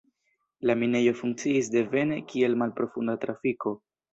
La minejo funkciis devene kiel malprofunda trafiko.